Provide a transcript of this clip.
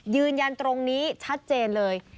ยืนยันตรงนี้ชัดเจนเลย